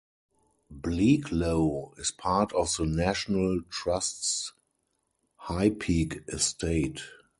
Bleaklow is part of the National Trust's High Peak Estate.